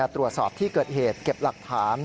ตรวจสอบที่เกิดเหตุเก็บหลักฐาน